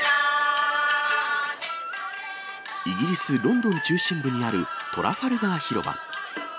イギリス・ロンドン中心部にあるトラファルガー広場。